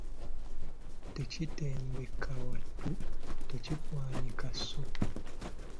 Tekitembeka wattu tekikwanika sso.